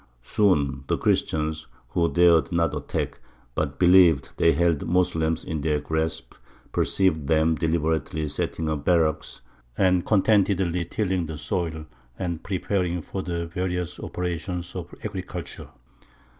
Soon the Christians, who dared not attack, but believed they held the Moslems in their grasp, perceived them deliberately setting up barracks, and contentedly tilling the soil and preparing for the various operations of agriculture.